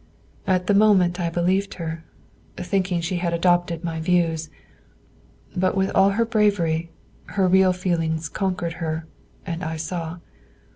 At the moment I believed her, thinking she had adopted my views; but with all her bravery, her real feelings conquered her, and I saw.